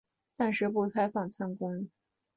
暂时不开放参观